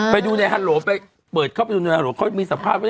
ไปดูในฮัลโหลไปเปิดเข้าไปดูในฮัลโหลเขามีสัมภาษณ์